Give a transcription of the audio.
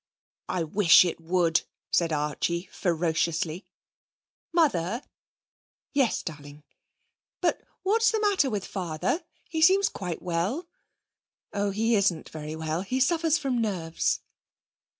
'I wish it would,' said Archie ferociously. 'Mother!' 'Yes, darling?' 'But what's the matter with father? He seems quite well.' 'Oh, he isn't very well. He suffers from nerves.'